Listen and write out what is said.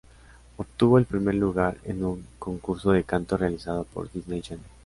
Obtuvo el primer lugar en un concurso de canto realizado por Disney Channel.